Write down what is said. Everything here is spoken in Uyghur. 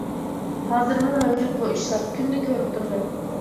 ھازىرمۇ مەۋجۇت بۇ ئىشلار، كۈندە كۆرۈپ تۇرىمەن.